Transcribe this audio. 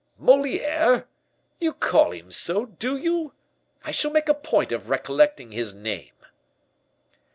"Moliere? You call him so, do you? I shall make a point of recollecting his name."